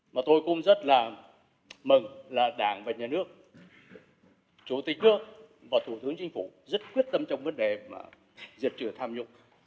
mình rất mừng đảng và nhà nước chủ tịch nước và thủ tướng chính phủ rất quyết tâm trong vấn đề diệt chửa tham nhũng